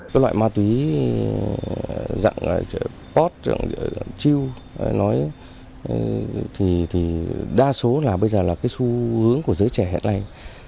các loại ma túy dạng pot chiêu nói thì đa số là bây giờ là cái xu hướng của giới trẻ hẹn này